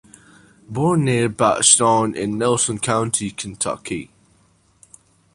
Born near Bardstown in Nelson County, Kentucky.